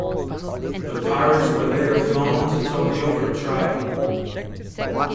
The pirates were later flown to Tokyo for trial.